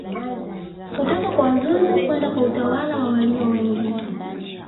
Kutoka kwa wazungu kwenda kwa utawala wa walio wengi